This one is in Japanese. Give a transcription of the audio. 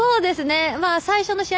最初の試合